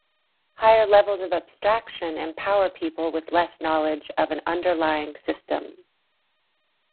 Higher levels of abstraction empower people with less knowledge of an underlying system.